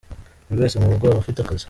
Buri wese mu rugo aba afite akazi.